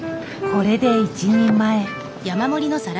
これで１人前。